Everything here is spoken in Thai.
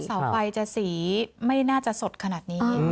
เสาไฟจะสีไม่น่าจะสดขนาดนี้